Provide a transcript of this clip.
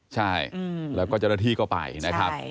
ใช่แล้วก็เจ้าหน้าที่ก็ไปนะครับ